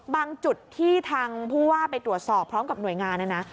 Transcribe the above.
จุดที่ทางผู้ว่าไปตรวจสอบพร้อมกับหน่วยงานนะนะ